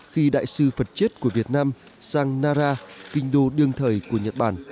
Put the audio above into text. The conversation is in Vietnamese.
khi đại sư phật chiết của việt nam sang nara kinh đô đương thời của nhật bản